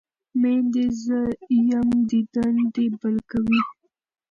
مین دی زه یم دیدن دی بل کوی